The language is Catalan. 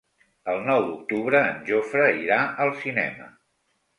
El nou d'octubre en Jofre irà al cinema.